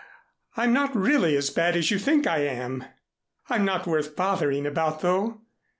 I'm not really as bad as you think I am. I'm not worth bothering about, though.